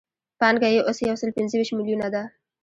پانګه یې اوس یو سل پنځه ویشت میلیونه ده